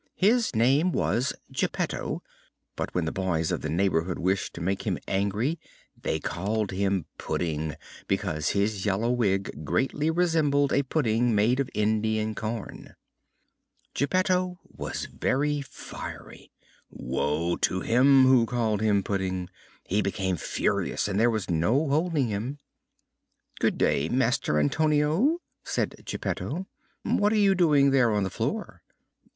His name was Geppetto, but when the boys of the neighborhood wished to make him angry they called him Pudding, because his yellow wig greatly resembled a pudding made of Indian corn. Geppetto was very fiery. Woe to him who called him Pudding! He became furious and there was no holding him. "Good day, Master Antonio," said Geppetto; "what are you doing there on the floor?"